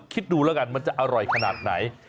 คิดดูแล้วกันมันจะอร่อยขนาดไหน